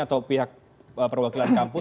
atau pihak perwakilan kampus